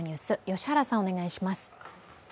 良原さん、お願いします。